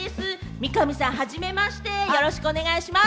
三上さん、はじめまして、よろしくお願いします。